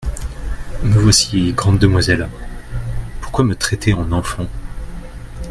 Me voici grande demoiselle : Pourquoi me traiter en enfant ?